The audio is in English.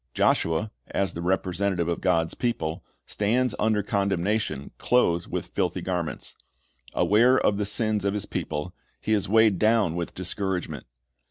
Joshua, as the represent ative of God's people, stands under condemnation, clothed with filthy garments. Aware of the sins of his people, he is weighed down with discouragement.